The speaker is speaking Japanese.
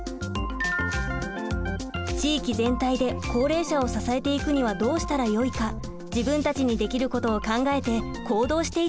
地域全体で高齢者を支えていくにはどうしたらよいか自分たちにできることを考えて行動していきましょう。